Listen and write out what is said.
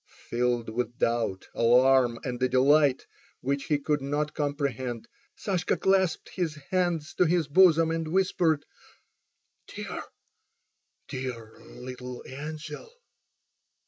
Filled with doubt, alarm, and a delight which he could not comprehend, Sashka clasped his hands to his bosom and whispered: "Dear—dear little angel!"